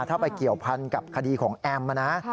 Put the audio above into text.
ถ้าไปเกี่ยวพันกับคดีของแอมนะ